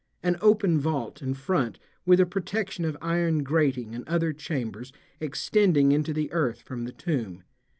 An open vault in front with a protection of iron grating and other chambers extending into the earth form the tomb.